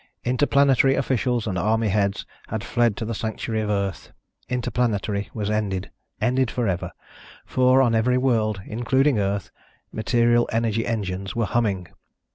Interplanetary officials and army heads had fled to the sanctuary of Earth. Interplanetary was ended ... ended forever, for on every world, including Earth, material energy engines were humming.